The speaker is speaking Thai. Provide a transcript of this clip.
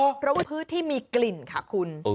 เพราะว่าพื้นที่มีกลิ่นค่ะคุณ